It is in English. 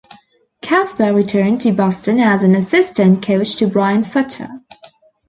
Kasper returned to Boston as an assistant coach to Brian Sutter.